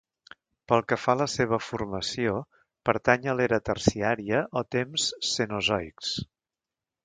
Pel que fa a la seva formació pertany a l'era terciària o temps cenozoics.